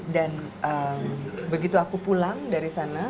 dan begitu aku pulang dari sana